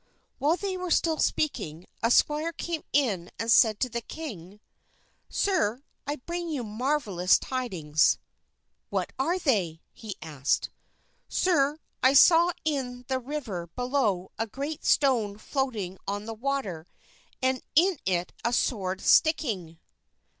While they were still speaking, a squire came in and said to the king, "Sir, I bring you marvelous tidings." "What are they?" he asked. "Sir, I saw in the river below a great stone floating on the water, and in it a sword sticking."